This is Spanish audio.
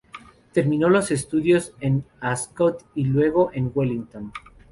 Terminó los estudios en Ascot y luego en Wellington.